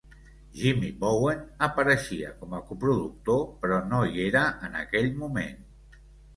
Jimmy Bowen apareixia com a coproductor però no hi era en aquell moment.